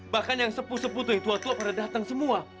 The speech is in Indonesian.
bahkan yang sepu sepu tuh yang tua tua pada dateng semua